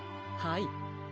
はい。